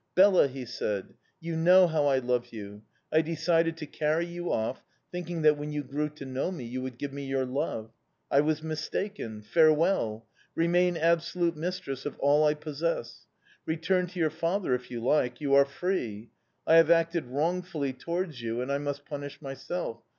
"'Bela,' he said. 'You know how I love you. I decided to carry you off, thinking that when you grew to know me you would give me your love. I was mistaken. Farewell! Remain absolute mistress of all I possess. Return to your father if you like you are free. I have acted wrongfully towards you, and I must punish myself.